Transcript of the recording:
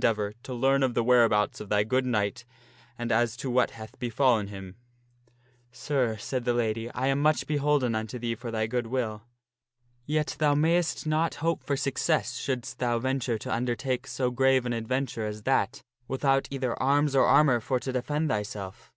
deavor to learn of the whereabouts of thy good knight, and as to what hath befallen him." " Sir," said the lady, " I am much beholden unto thee for thy good will. Yet thou mayst not hope for success shouldst thou venture to undertake so grave an adventure as that without either arms or armor for to defend thyself.